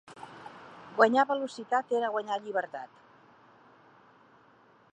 Guanyar velocitat era guanyar llibertat.